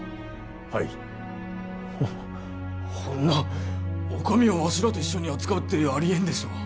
はいほほんなお上をわしらと一緒に扱うってありえんでしょう